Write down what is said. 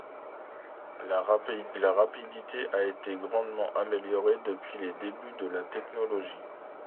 La rapidité a été grandement amélioré depuis les débuts de la technologie.